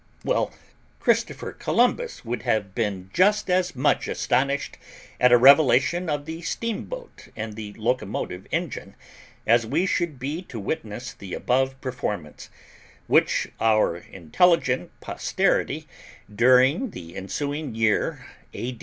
Well, Christopher Columbus would have been just as much astonished at a revelation of the steamboat and the locomotive engine as we should be to witness the above performance, which our intelligent posterity during the ensuing year A.